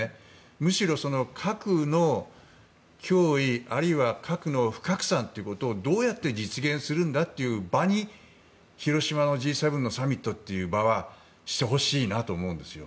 むしろ、核の脅威あるいは核の不拡散ということをどうやって実現するんだという場に広島をＧ７サミットの場にしてほしいんですよ。